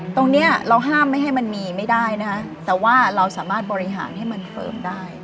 ตรงนี้เราห้ามไม่ให้มันมีไม่ได้นะคะแต่ว่าเราสามารถบริหารให้มันเฟิร์มได้